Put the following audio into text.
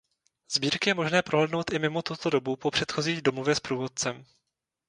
Sbírky je možné prohlédnout i mimo tuto dobu po předchozí domluvě s průvodcem.